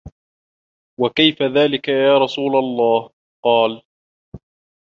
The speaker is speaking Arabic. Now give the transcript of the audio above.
وَكَيْفَ ذَلِكَ يَا رَسُولَ اللَّهِ ؟ قَالَ